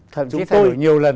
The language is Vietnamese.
thậm chí thay đổi nhiều lần